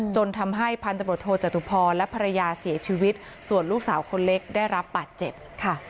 จนทำให้พันธบทโทจตุพรและภรรยาเสียชีวิตส่วนลูกสาวคนเล็กได้รับบาดเจ็บค่ะ